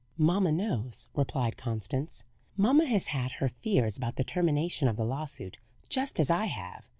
"Mamma knows," replied Constance. "Mamma has had her fears about the termination of the lawsuit, just as I have.